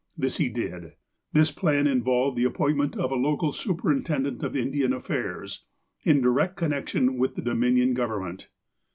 This he did. This plan involved the appointment of a local superin tendent of Indian Affairs, in direct connection with the Dominion Government.